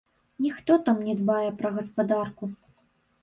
Ніхто там не дбае пра гаспадарку.